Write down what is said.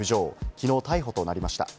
きのう逮捕となりました。